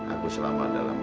aku selama dalam